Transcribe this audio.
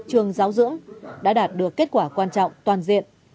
trường giáo dưỡng đã đạt được kết quả quan trọng toàn diện